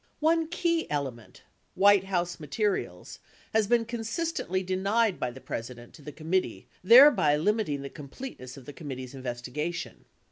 582 One key element — White House materials — has been consistently denied by the President to the committee thereby limiting the com pleteness of the committee's investigation.